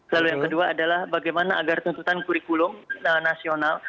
lalu yang kedua adalah bagaimana agar tuntutan kurikulum nasional